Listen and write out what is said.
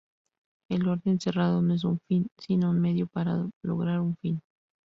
El orden cerrado no es un fin, sino un medio para lograr un fin.